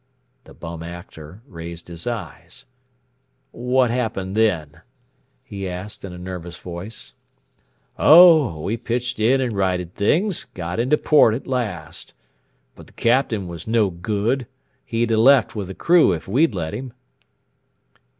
The Bum Actor raised his eyes. "What happened then?" he asked in a nervous voice. "Oh, we pitched in and righted things and got into port at last. But the Captain was no good; he'd a left with the crew if we'd let him."